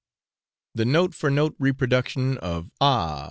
The note for note reproduction of 'Ah!